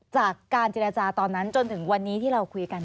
จากการเจรจาตอนนั้นจนถึงวันนี้ที่เราคุยกัน